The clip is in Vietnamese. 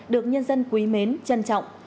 được nhân dân quý mến trân trọng